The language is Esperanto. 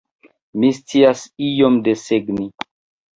Mi scias iom desegni.